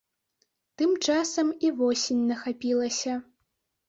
Тым часам і восень нахапілася.